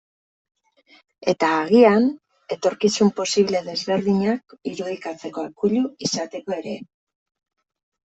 Eta, agian, etorkizun posible desberdinak irudikatzeko akuilu izateko ere.